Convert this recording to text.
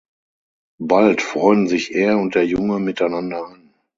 Bald freunden sich er und der Junge miteinander an.